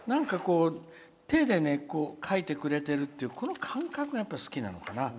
手で書いてくれてるというこの感覚が好きなのかな。